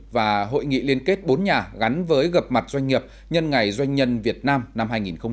và hội nghị liên kết bốn nhà gắn với gập mặt doanh nghiệp nhân ngày doanh nhân việt nam năm hai nghìn một mươi chín